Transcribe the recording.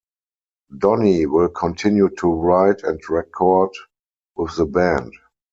Donnie will continue to write and record with the band.